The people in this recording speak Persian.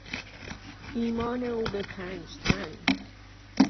ایمان او به پنجتن